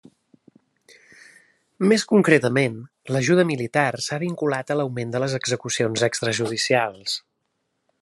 Més concretament, l'ajuda militar s'ha vinculat a l'augment de les execucions extrajudicials.